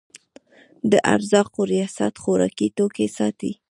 د ارزاقو ریاست خوراکي توکي ساتي